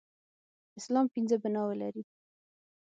اسلام پنځه بناوې لري.